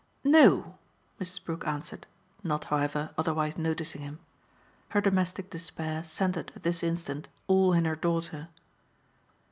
"No!" Mrs. Brook answered, not, however, otherwise noticing him. Her domestic despair centred at this instant all in her daughter.